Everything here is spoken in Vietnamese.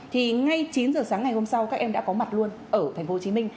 thì ngay chín giờ sáng ngày hôm sau các em đã có mặt luôn ở thành phố hồ chí minh